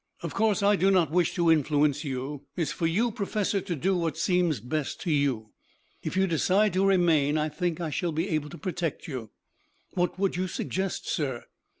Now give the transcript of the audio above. "Of course I do not wish to influence you. It is for you, Professor, to do what seems best to you. If you decide to remain I think I shall be able to protect you." "What would you suggest, sir?"